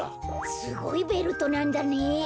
すごいベルトなんだねえ。